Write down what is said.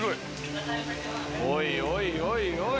おいおいおいおい！